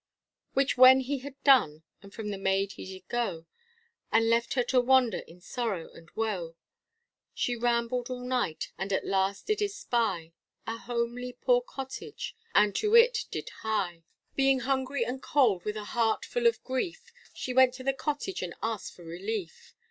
Which when he had done, from the maid he did go And left her to wander in sorrow and woe; She rambled all night, and at last did espy, A homely poor cottage, and to it did hie. Being hungry and cold, with a heart full of grief, She went to the cottage, and asked for relief.